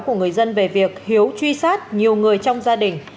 của người dân về việc hiếu truy sát nhiều người trong gia đình